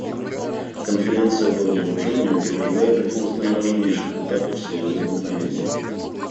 Конференция по разоружению переживает один из наиважнейших этапов с ее возникновения.